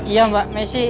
iya mbak meksi